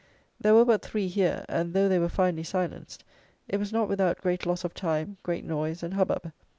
There were but three here; and though they were finally silenced, it was not without great loss of time, great noise and hubbub.